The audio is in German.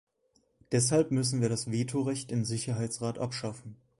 Deshalb müssen wir das Vetorecht im Sicherheitsrat abschaffen.